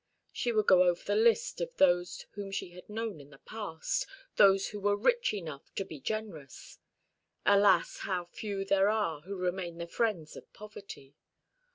She would go over the list of those whom she had known in the past those who were rich enough to be generous. Alas! how few there are who remain the friends of poverty!